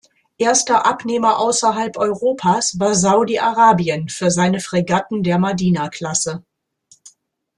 Erster Abnehmer außerhalb Europas war Saudi-Arabien für seine Fregatten der "Madina-Klasse".